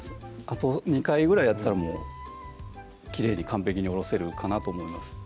あと２回ぐらいやったらもうきれいに完璧におろせるかなと思います